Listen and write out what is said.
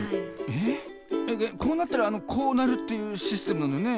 ええっこうなったらこうなるっていうシステムなのよね？